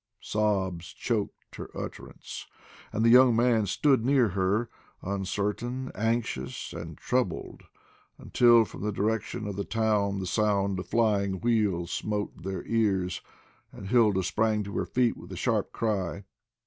Sobs choked her utterance, and the young man stood near her, uncertain, anxious, and troubled, until from the direction of the town the sound of flying wheels smote their ears, and Hilda sprang to her feet with a sharp cry.